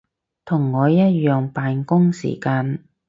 同我一樣扮工時間